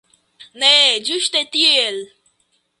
Ne, ĝuste tiel.